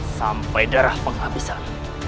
sampai darah penghabisan